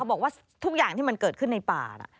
บอกว่าทุกอย่างที่มันเกิดขึ้นในป่าน่ะ